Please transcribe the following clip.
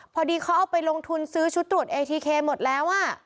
พอดีเขาเอาไปลงทุนซื้อชุดตรวจเอทีเคหมดแล้ว